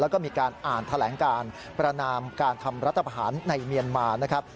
แล้วก็มีการอ่านแถลงการประนามการทำรัฐประหารในเมียนมานะครับ